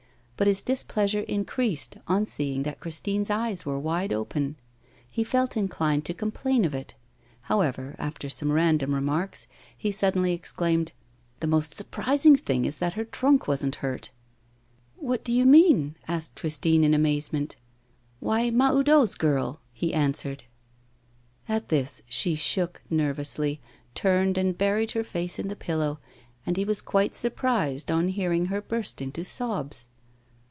But his displeasure increased on seeing that Christine's eyes were wide open. He felt inclined to complain of it. However, after some random remarks, he suddenly exclaimed: 'The most surprising thing is that her trunk wasn't hurt!' 'What do you mean?' asked Christine, in amazement. 'Why, Mahoudeau's girl,' he answered. At this she shook nervously, turned and buried her face in the pillow; and he was quite surprised on hearing her burst into sobs.